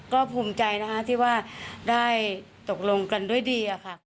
ก็ภูมิใจที่ว่าได้ตกลงกันด้วยดี